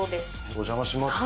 お邪魔しますか。